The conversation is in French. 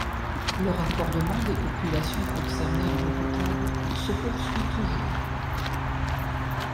Le raccordement des populations concernées en eau potable se poursuit toujours.